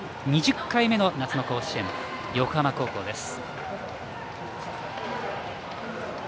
２０回目の夏の甲子園横浜高校です。